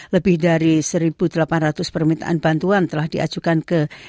lebih dari satu delapan ratus permintaan bantuan telah diajukan ke